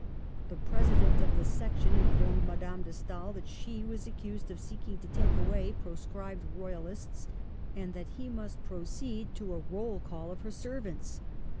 The President of the Section informed Madame de Stael that she was accused of seeking to take away proscribed royalists, and that he must pro ceed to a roll call of her servants.